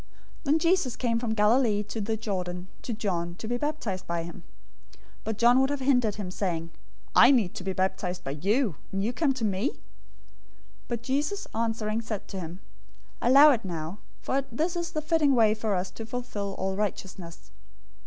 003:013 Then Jesus came from Galilee to the Jordan to John, to be baptized by him. 003:014 But John would have hindered him, saying, "I need to be baptized by you, and you come to me?" 003:015 But Jesus, answering, said to him, "Allow it now, for this is the fitting way for us to fulfill all righteousness."